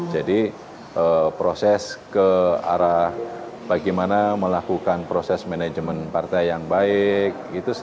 jadi proses ke arah bagaimana melakukan proses manajemen partai yang baik